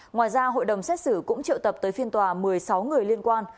ngoài ra hội đồng xét xử cũng triệu tập tới phiên tòa một mươi sáu người liên quan